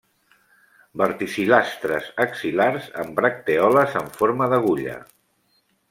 Verticil·lastres axil·lars amb bractèoles en forma d'agulla.